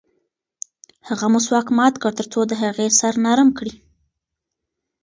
هغه مسواک مات کړ ترڅو د هغې سر نرم کړي.